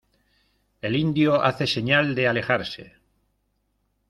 el indio hace señal de alejarse: